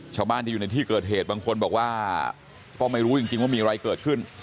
ชาวบ้านที่อยู่ในที่เกิดเหตุบางคนบอกว่าก็ไม่รู้จริงว่ามีอะไรเกิดขึ้น